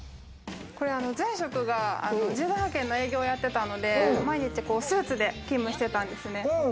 これは前職に人材派遣の営業やっていたので、毎日スーツで勤務していたんですね。